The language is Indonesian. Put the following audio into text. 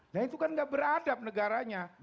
nah itu kan gak beradab negaranya